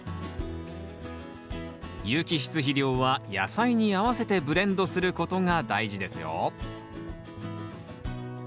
有機質肥料は野菜に合わせてブレンドすることが大事ですよ